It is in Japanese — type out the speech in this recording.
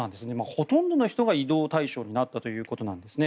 ほとんどの人が異動対象になったということなんですね。